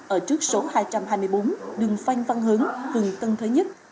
ở trước số hai trăm hai mươi bốn đường phanh văn hướng vườn tân thới nhất